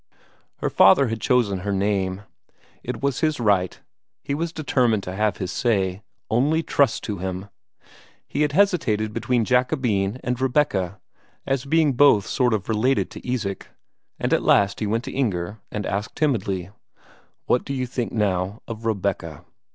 Her father had chosen her name. It was his right; he was determined to have his say only trust to him! He had hesitated between Jacobine and Rebecca, as being both sort of related to Isak; and at last he went to Inger and asked timidly: "What d'you think, now, of Rebecca?"